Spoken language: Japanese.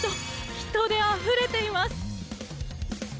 人であふれています！